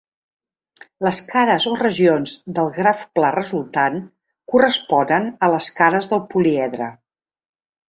Les cares o regions del graf pla resultant corresponen a les cares del políedre.